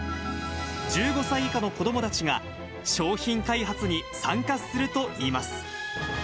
１５歳以下の子どもたちが商品開発に参加するといいます。